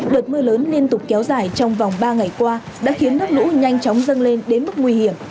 đợt mưa lớn liên tục kéo dài trong vòng ba ngày qua đã khiến nước lũ nhanh chóng dâng lên đến mức nguy hiểm